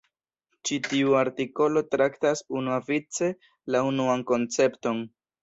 Ĉi tiu artikolo traktas unuavice la unuan koncepton.